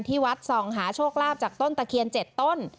ที่วัดส่องหาโชคลาภจากต้นตะเคียน๗ต้น